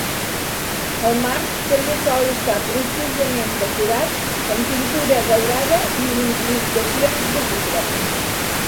El marc també sol estar profusament decorat amb pintura daurada i incrustacions de vidre.